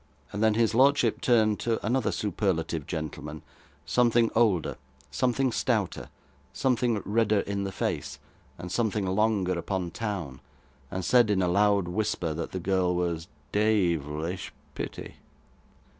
And then his lordship turned to another superlative gentleman, something older, something stouter, something redder in the face, and something longer upon town, and said in a loud whisper that the girl was 'deyvlish pitty.